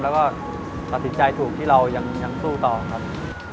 และก็สักสิทธิ์ใจถูกที่เรายังสู้ต่อครับ